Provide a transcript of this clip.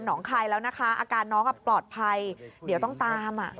หนองใครแล้วนะคะอาการน้องก็ปลอดภัยเดี๋ยวต้องตาม